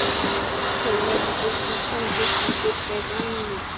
Son exécution dure à peu près vingt minutes.